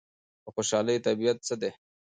د خوشحالۍ طبیعت څه دی؟